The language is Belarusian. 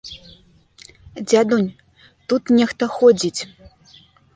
Дзядунь, тут нехта ходзіць.